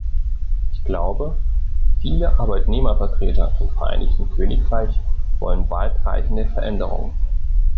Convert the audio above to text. Ich glaube, viele Arbeitnehmervertreter im Vereinigten Königreich wollen weitreichende Veränderungen.